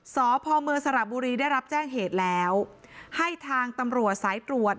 สพเมืองสระบุรีได้รับแจ้งเหตุแล้วให้ทางตำรวจสายตรวจ